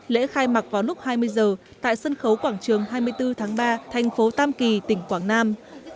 lễ khai mạc vào lúc hai mươi h tại sân khấu quảng trường hai mươi bốn tháng ba thành phố tam kỳ tỉnh quảng nam